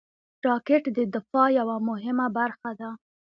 راکټ د دفاع یوه مهمه برخه ده